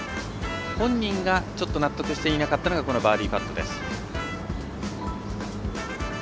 本人がちょっと納得していなかったのがこのバーディーパットです。